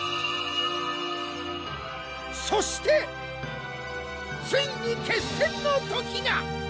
そしてついに決戦の時が！